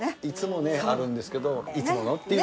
いつもねあるんですけど。